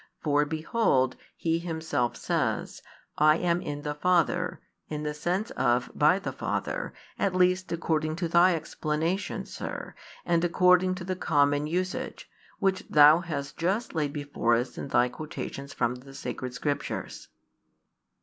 For behold, He Himself says: I am 'in the Father,' in the sense of 'by the Father,' at least according to thy explanation, Sir, and |281 according to the common usage, which thou hast just laid before us in thy quotations from the Sacred Scriptures."